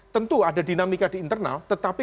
tentu ada dinamika di internal tetapi